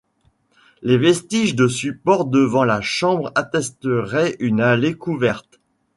Les vestiges de supports devant la chambre attesteraient d'une allée couverte.